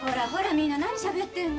みんな何しゃべってんの。